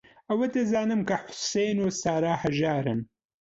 ئەوە دەزانم کە حوسێن و سارا ھەژارن.